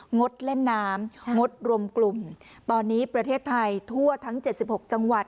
งดเล่นน้ำงดรวมกลุ่มตอนนี้ประเทศไทยทั่วทั้ง๗๖จังหวัด